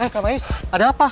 kamar yus ada apa